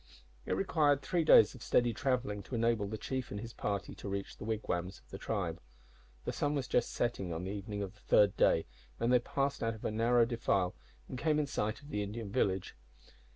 It required three days of steady travelling to enable the chief and his party to reach the wigwams of the tribe. The sun was just setting, on the evening of the third day, when they passed out of a narrow defile and came in sight of the Indian village.